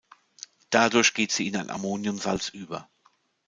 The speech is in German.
Dadurch geht sie in ein Ammoniumsalz über.